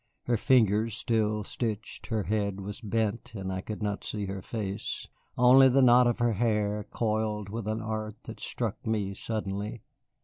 Her fingers still stitched, her head was bent and I could not see her face, only the knot of her hair coiled with an art that struck me suddenly.